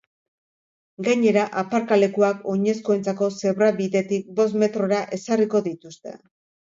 Gainera, aparkalekuak oinezkoentzako zebra-bidetik bost metrora ezarriko dituzte.